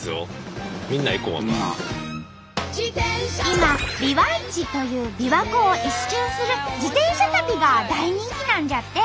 今「ビワイチ」というびわ湖を一周する自転車旅が大人気なんじゃって！